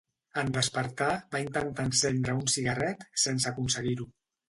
En despertar, va intentar encendre un cigarret sense aconseguir-ho.